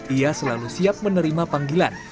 ia selalu siap menerima panggilan